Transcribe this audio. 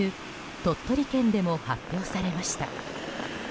鳥取県でも発表されました。